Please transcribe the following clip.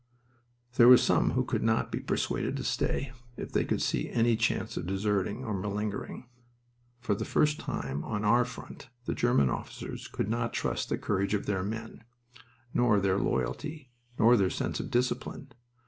There were some who could not be persuaded to stay if they could see any chance of deserting or malingering. For the first time on our front the German officers could not trust the courage of their men, nor their loyalty, nor their sense of discipline.